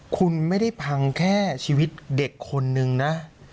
คุณไม่ได้พังแค่ชีวิตเด็กคนนึงนะ